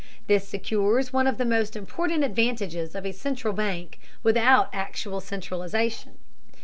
This secures one of the most important advantages of a central bank without actual centralization.